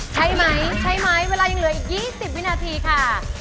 ใช่ไหมใช่ไหมเวลายังเหลืออีก๒๐วินาทีค่ะ